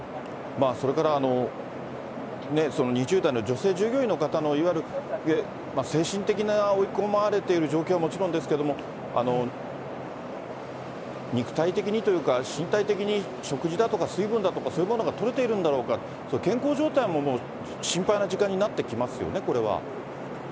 それから２０代の女性従業員の方の、いわゆる精神的な追い込まれている状況はもちろんですけれども、肉体的にというか、身体的に食事だとか、水分だとか、そういうものがとれているんだろうか、健康状態も心配な時間になってきますよね、これは。